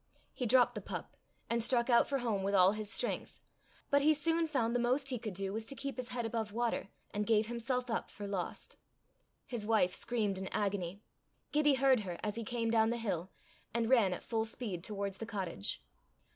He dropped the pup, and struck out for home with all his strength. But he soon found the most he could do was to keep his head above water, and gave himself up for lost. His wife screamed in agony. Gibbie heard her as he came down the hill, and ran at full speed towards the cottage.